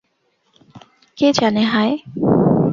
কে জানে, হাহ?